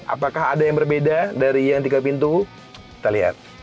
apakah ada yang berbeda dari yang tiga pintu kita lihat